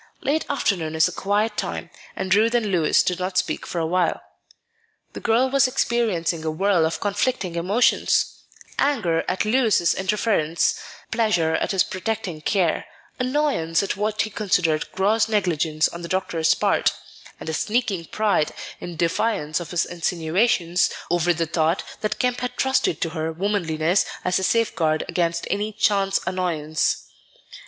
Late afternoon is a quiet time, and Ruth and Louis did not speak for a while. The girl was experiencing a whirl of conflicting emotions, anger at Louis's interference, pleasure at his protecting care, annoyance at what he considered gross negligence on the doctor's part, and a sneaking pride, in defiance of his insinuations, over the thought that Kemp had trusted to her womanliness as a safeguard against any chance annoyance.